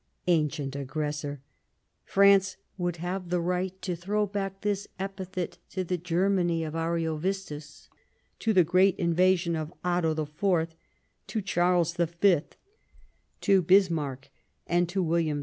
Ancient aggressor ! France would have the right to throw back this epithet to the Germany of Ariovistus ; to the Great Invasion ; to Otho IV ; to Charles V ; to Bismarck and to William II.